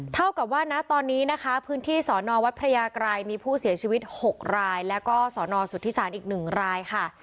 เท่ากับว่านะตอนนี้นะคะพื้นที่สอนอวัดพระยากรัยมีผู้เสียชีวิต๖รายแล้วก็สนสุธิศาลอีก๑รายค่ะ